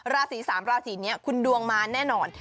ราศี๓ราศีนี้คุณดวงมาแน่นอน